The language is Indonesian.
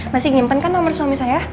masih nyimpen kan nomor suami saya